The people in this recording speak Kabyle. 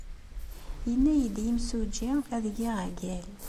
Yenna-iyi-d yimsujji ad geɣ agal.